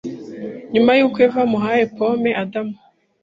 nyuma yuko Eva amuhaye pome; Adamu